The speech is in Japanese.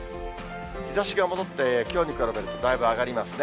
日ざしが戻って、きょうに比べるとだいぶ上がりますね。